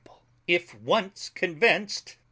If once convinced .